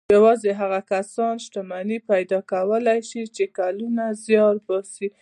يوازې هغه کسان شتمني پيدا کولای شي چې کلونه زيار باسي.